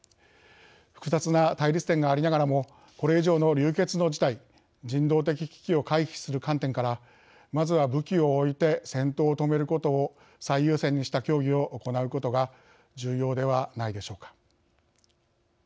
複雑な対立点がありながらもこれ以上の流血の事態人道的危機を回避する観点からまずは武器を置いて戦闘を止めることを最優先にした協議を行うことが重要ではないでしょうか。